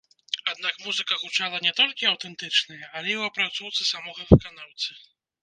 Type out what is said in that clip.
Аднак музыка гучала не толькі аўтэнтычная, але і ў апрацоўцы самога выканаўцы.